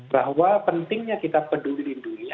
bahwa pentingnya kita peduli dunia